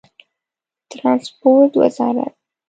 د ټرانسپورټ وزارت